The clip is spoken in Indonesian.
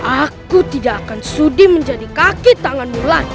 aku tidak akan sudi menjadi kaki tanganmu lagi